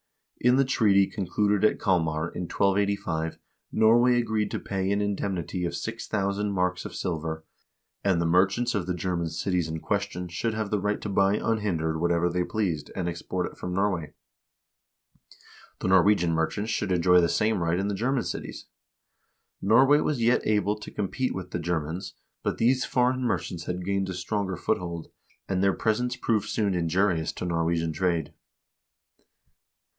In the treaty concluded at Kalmar in 1285 Norway agreed to pay an indemnity of 6000 marks of silver, and the merchants of the German cities in question should have the right to buy unhindered whatever they pleased, and export it from Norway. The Norwegian merchants should enjoy the same right in the German cities. Norway was yet able to compete with the Ger mans, but these foreign merchants had gained a stronger foothold, and their presence soon proved injurious to Norwegian trade.